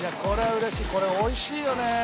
これおいしいよね」